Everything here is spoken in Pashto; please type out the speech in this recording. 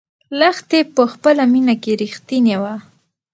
لښتې په خپله مینه کې رښتینې وه.